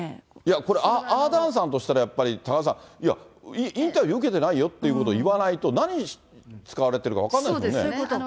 これ、アーダーンさんとしたら、多賀さん、いや、インタビュー受けてないよということを言わないと、何に使われてるか分からないですもんね。